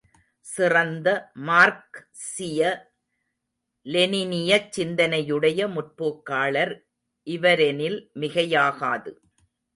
சிறந்த மார்க்சிய, லெனினியச் சிந்தனையுடைய முற்போக்காளர் இவரெனில் மிகையாகாது.